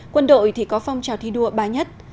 quân đội thì có phong trào thi đua ba nhất